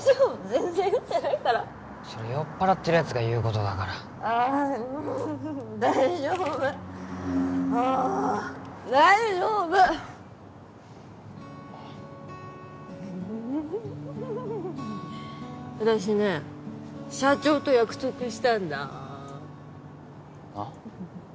全然酔ってないからそれ酔っ払ってるやつが言うことだからあっ大丈夫あ大丈夫私ね社長と約束したんだあっ？